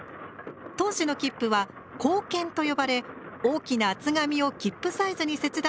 当時の切符は「硬券」と呼ばれ大きな厚紙を切符サイズに切断して使っていました。